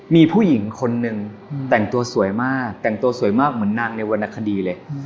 มีผู้หญิงคนนึงแต่งตัวสวยมากแต่งตัวสวยมากเหมือนนางในวรรณคดีเลย